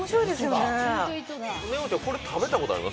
ねおちゃん、これ食べたことあります？